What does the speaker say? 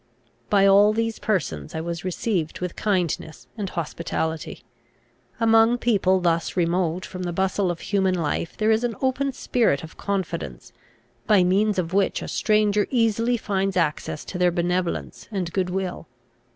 By all these persons I was received with kindness and hospitality. Among people thus remote from the bustle of human life there is an open spirit of confidence, by means of which a stranger easily finds access to their benevolence and good will.